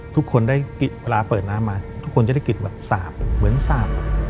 ทุกคนได้เวลาเปิดน้ำมาทุกคนจะได้กลิ่นแบบสาบเหมือนสาบ